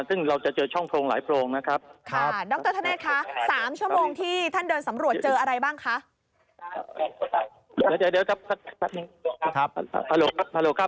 สวัสดีครับสวัสดีครับฮัลโหลครับ